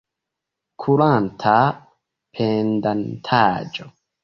Kuranta pendantaĵo.